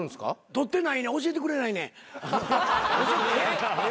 取ってない教えてくれないねん。